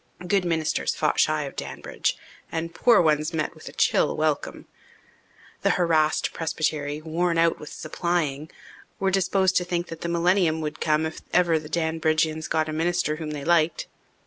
Good ministers fought shy of Danbridge, and poor ones met with a chill welcome. The harassed presbytery, worn out with "supplying," were disposed to think that the millennium would come if ever the Danbridgians got a minister whom they liked.